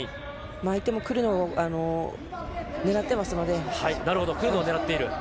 相手も来るのを狙ってます。